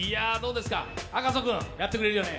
赤楚君、やってくれるよね？